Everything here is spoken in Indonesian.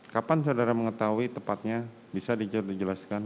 kapan saudara mengetahui tepatnya bisa dijelaskan